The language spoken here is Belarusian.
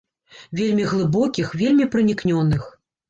Вельмі глыбокіх, вельмі пранікнёных.